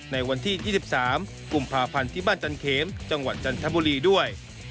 ในวันที่๒๓กุมภาพันธ์ที่บ้านจันเขมจังหวัดจันทบุรีด้วย